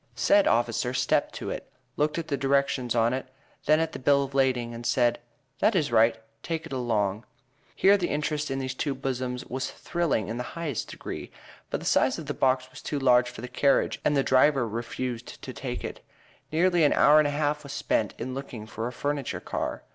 Said officer stepped to it, looked at the directions on it, then at the bill of lading, and said, "That is right, take it along." Here the interest in these two bosoms was thrilling in the highest degree. But the size of the box was too large for the carriage, and the driver refused to take it. Nearly an hour and a half was spent in looking for a furniture car.